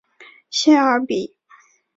谢尔比。